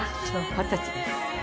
二十歳です。